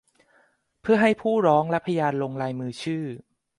เพื่อให้ผู้ร้องและพยานลงลายมือชื่อ